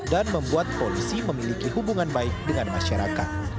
dan membuat polisi memiliki hubungan baik dengan masyarakat